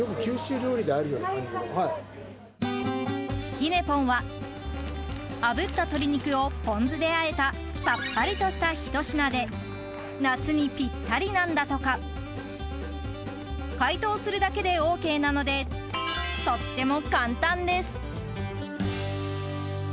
ひねポンはあぶった鶏肉をポン酢であえたさっぱりとした、ひと品で夏にぴったりなんだとか。解凍するだけでＯＫなのでとっても簡単です。